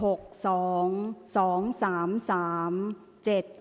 ออกรางวัลที่๖เลขที่๗